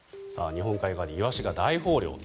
日本海側でイワシが大豊漁と。